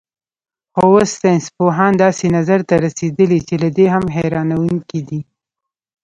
خو اوس ساینسپوهان داسې نظر ته رسېدلي چې له دې هم حیرانوونکی دی.